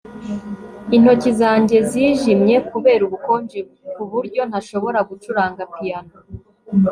intoki zanjye zijimye kubera ubukonje kuburyo ntashobora gucuranga piyano